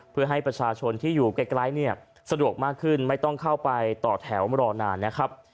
เพื่อให้ประชาชนที่อยู่ไกลเนี่ยสะดวกมากขึ้นไม่ต้องเข้าไปต่อแถวรอนานนะครับ